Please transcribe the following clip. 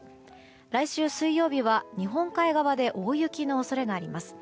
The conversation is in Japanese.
来週水曜日は日本海側で大雪の恐れがあります。